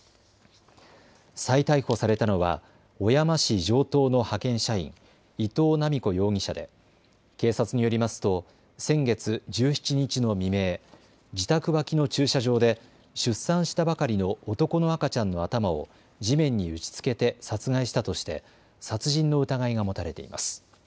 再逮捕されたのは小山市城東の派遣社員、伊藤七美子容疑者で警察によりますと先月１７日の未明、自宅脇の駐車場で出産したばかりの男の赤ちゃんの頭を地面に打ちつけて殺害したとして殺人の疑いが持たれています。